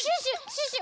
シュッシュ！